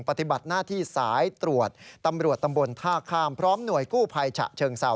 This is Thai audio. ปฏิบัติหน้าที่สายตรวจตำรวจตำบลท่าข้ามพร้อมหน่วยกู้ภัยฉะเชิงเซา